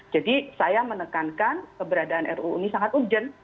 jadi saya menekankan keberadaan ruu ini sangat ujen